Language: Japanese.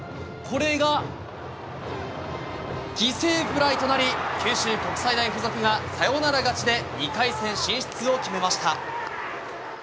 これが犠牲フライとなり九州国際大付属がサヨナラ勝ちで２回戦進出を決めました。